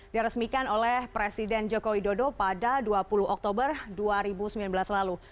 diresmikan oleh presiden joko widodo pada dua puluh oktober dua ribu sembilan belas lalu